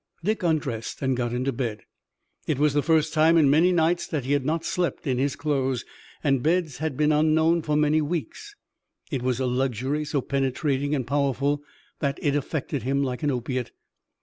Dick undressed and got into bed. It was the first time in many nights that he had not slept in his clothes, and beds had been unknown for many weeks. It was a luxury so penetrating and powerful that it affected him like an opiate.